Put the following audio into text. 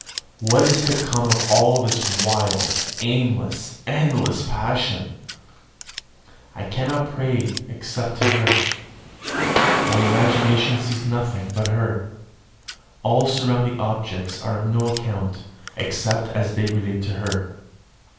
What is to come of all this wild, aimless, endless passion? I cannot pray except to her. My imagination sees nothing but her: all surrounding objects are of no account, except as they relate to her.